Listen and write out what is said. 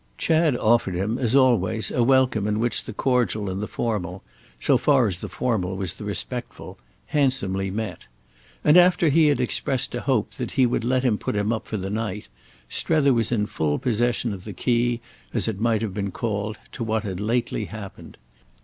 Chad offered him, as always, a welcome in which the cordial and the formal—so far as the formal was the respectful—handsomely met; and after he had expressed a hope that he would let him put him up for the night Strether was in full possession of the key, as it might have been called, to what had lately happened.